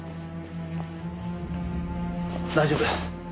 大丈夫。